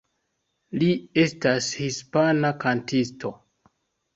Li estas hispana kantisto.